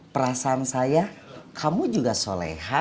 perasaan saya kamu juga soleha